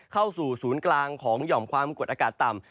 เข้าสู่ศูนย์กลางของหย่อมความกดอากาศต่ำ